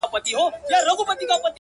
نه په مسجد” په درمسال” په کليسا کي نسته”